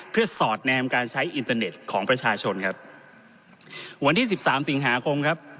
เพื่อสอดแนมการใช้อินเตอร์เน็ตของประชาชนครับวันที่สิบสามสิงหาคมครับ